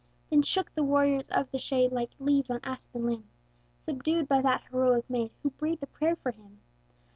Then shook the warriors of the shade, Like leaves on aspen limb, Subdued by that heroic maid Who breathed a prayer for him!